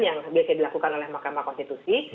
yang biasa dilakukan oleh mahkamah konstitusi